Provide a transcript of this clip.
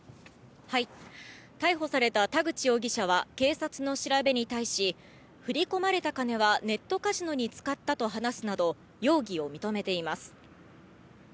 逮捕された田口容疑者は、警察の調べに対し、振り込まれた金はネットカジノに使ったと話すなど、容疑を認めています。